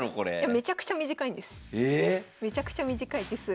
めちゃくちゃ短い手数。